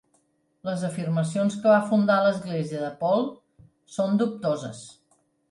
Les afirmacions que va fundar l'església de Paul són dubtoses.